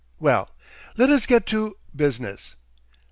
Well. Let us get to business.